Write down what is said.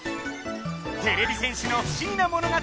てれび戦士の不思議な物語を一気見だ！